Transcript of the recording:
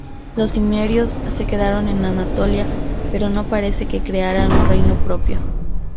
Los cimerios se quedaron en Anatolia, pero no parece que crearan un reino propio.